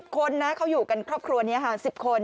คนนะเขาอยู่กันครอบครัวนี้ค่ะ๑๐คน